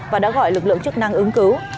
và đã gọi lực lượng chức năng ứng cứu